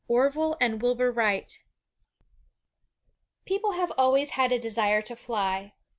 Orville and Wilbur Wright People have always had a desire to fly.